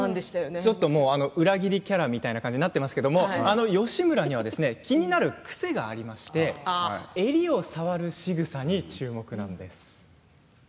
ちょっと、もう裏切りキャラみたいになってますけれども義村には気になる癖がありまして襟を触るしぐさに注目なんです。